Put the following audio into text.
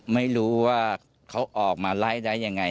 ไม่รู้ว่าเขาออกมาไล่ได้ยังไง